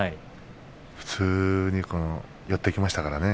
普通に寄っていきましたからね。